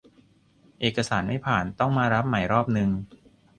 เอกสารไม่ผ่านต้องมารับใหม่รอบนึง